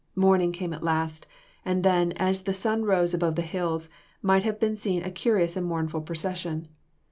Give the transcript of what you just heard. Morning came at last, and then, as the sun rose above the hills, might have been seen a curious and mournful procession.